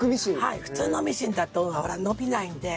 普通のミシンだと伸びないので。